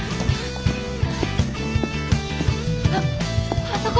あっあそこ！